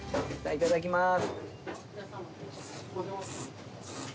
いただきます。